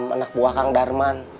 menak buah kang darman